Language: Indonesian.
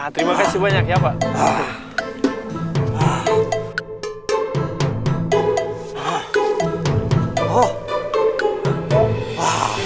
terima kasih banyak ya pak